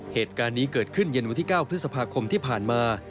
เหตุการณ์นี้เกิดขึ้นเย็นวันที่๙พฤษภาคมที่ผ่านมา